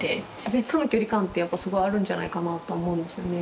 自然との距離感ってやっぱりすごくあるんじゃないかなと思うんですよね。